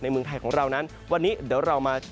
เมืองไทยของเรานั้นวันนี้เดี๋ยวเรามา